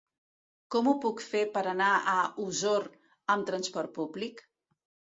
Com ho puc fer per anar a Osor amb trasport públic?